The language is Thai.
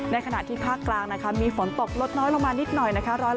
ในขณะที่ภาคกลางมีฝนตกลดน้อยลงมานิดหน่อย